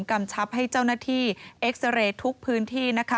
กำชับให้เจ้าหน้าที่เอ็กซาเรทุกรุ่นพื้นที่